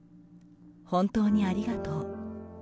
本当にありがとう。